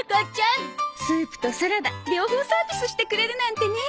スープとサラダ両方サービスしてくれるなんてね。